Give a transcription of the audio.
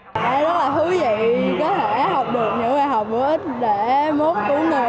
đây là thứ gì có thể học được những người học hữu ích để mốt cứu người